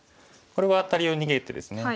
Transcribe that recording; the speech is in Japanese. これはアタリを逃げてですね。